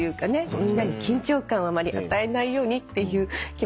みんなに緊張感をあまり与えないようにっていう気持ちも感じますよね。